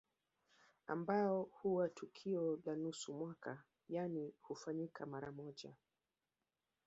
Ambao huwa tukio la nusu mwaka yani hufanyika mara moja